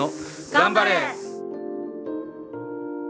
頑張れ！